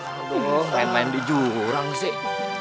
aduh main main di jurang sih